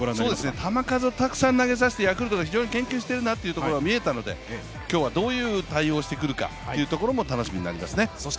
球数はたくさん投げさせてヤクルトが非常に研究しているところが見えたので、今日はどういう対応をしてくるかというところも楽しみになりますね。